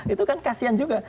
itu kan kasian juga